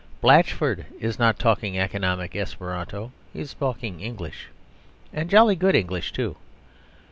Blatchford is not talking Economic Esperanto; he is talking English, and jolly good English, too.